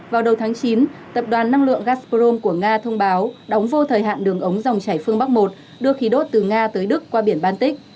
vào đầu tháng chín tập đoàn năng lượng gasprom của nga thông báo đóng vô thời hạn đường ống dòng chảy phương bắc một đưa khí đốt từ nga tới đức qua biển baltic